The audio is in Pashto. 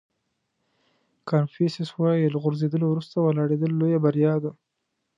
کانفیوسیس وایي له غورځېدلو وروسته ولاړېدل لویه بریا ده.